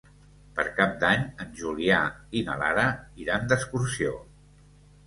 Per Cap d'Any en Julià i na Lara iran d'excursió.